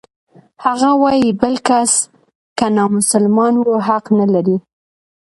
هغه وايي بل کس که نامسلمان و حق نلري.